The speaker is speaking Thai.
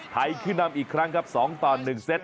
ไทยขึ้นนำอีกครั้งครับ๒ต่อ๑เซต